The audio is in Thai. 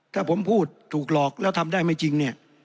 ถ้าผมพูดถูกหลอกแล้วทำได้ไม่จริงเนี่ย